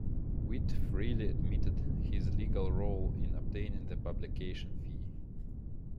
Witt freely admitted his legal role in obtaining the publication fee.